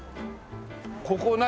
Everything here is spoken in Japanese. ここ何？